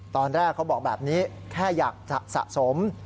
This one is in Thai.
ตอนแรกเขาบอกแบบนี้แค่อยากจะสะสม